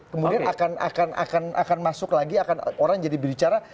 kemudian akan masuk lagi akan orang jadi berbicara